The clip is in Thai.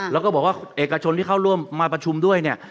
แล้วก็บอกว่าเอกชนที่เข้าร่วมมาประชุมด้วยเนี่ย